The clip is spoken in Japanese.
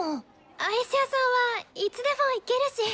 アイス屋さんはいつでも行けるし。